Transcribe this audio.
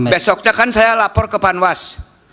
besoknya kan saya lapor ke panwas